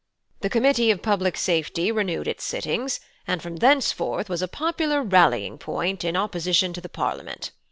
The Committee of Public Safety renewed its sittings, and from thenceforth was a popular rallying point in opposition to the Parliament.